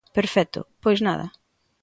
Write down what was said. Perfecto, pois nada.